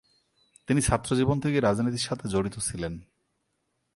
তিনি ছাত্রজীবন থেকেই রাজনীতির সাথে জড়িয়ে পড়েন।